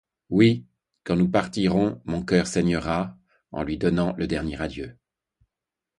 Oui ! quand nous partirons, mon cœur saignera, en lui donnant le dernier adieu !